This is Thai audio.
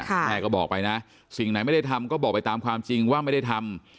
แม่ก็บอกไปนะสิ่งไหนไม่ได้ทำก็บอกไปตามความจริงว่าไม่ได้ทำ